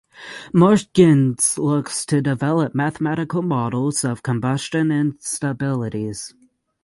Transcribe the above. Morgans looks to develop mathematical models of combustion instabilities.